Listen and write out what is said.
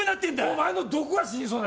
お前のどこが死にそうだ